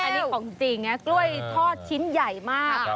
อันนี้ของจริงนะกล้วยทอดชิ้นใหญ่มาก